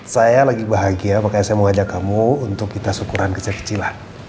saya lagi bahagia makanya saya mau ajak kamu untuk kita syukuran kecil kecilan